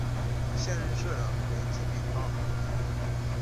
现任社长为金炳镐。